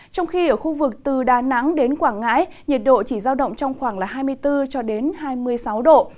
trong khi ở khu vực từ đà nẵng đến quảng ngãi nhiệt độ chỉ giao động trong khoảng hai mươi bốn cho đến hai mươi sáu độ